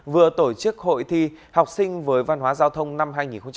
vừa tổ chức hội thi học sinh với văn hóa giao thông năm hai nghìn một mươi bảy